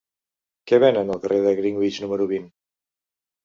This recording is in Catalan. Què venen al carrer de Greenwich número vint?